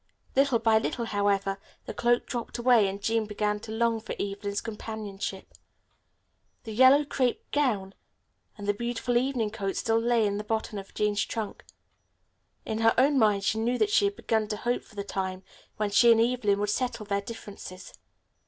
Little by little, however, the cloak dropped away and Jean began to long for Evelyn's companionship. The yellow crêpe gown and the beautiful evening coat still lay in the bottom of Jean's trunk. In her own mind she knew that she had begun to hope for the time when she and Evelyn would settle their differences.